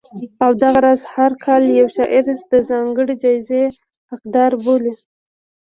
او دغه راز هر کال یو شاعر د ځانګړې جایزې حقدار بولي